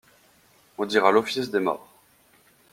On dira l'office des morts.